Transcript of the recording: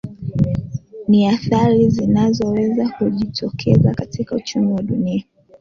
na athari zinazoweza kujitokeza katika uchumi wa dunia